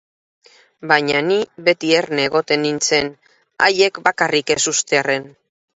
Baina ni beti erne egoten nintzen haiek bakarrik ez uztearren.